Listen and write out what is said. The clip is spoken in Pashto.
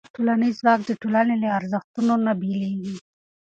ټولنیز ځواک د ټولنې له ارزښتونو نه بېلېږي.